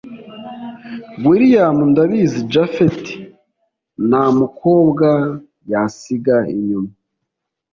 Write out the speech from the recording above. william ndabizi japhet ntamukobwa yasiga inyuma